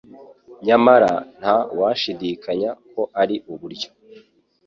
nyamara nta washidikanya ko ari uburyo